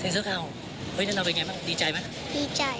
เซ็นเซอร์เข่าท่านน้องเป็นไงบ้างดีใจไหม